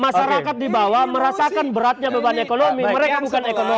masyarakat di bawah merasakan beratnya beban ekonomi mereka bukan ekonomi